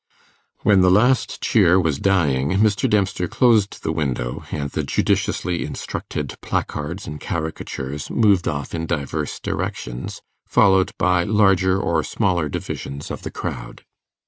When the last cheer was dying, Mr. Dempster closed the window, and the judiciously instructed placards and caricatures moved off in divers directions, followed by larger or smaller divisions of the crowd.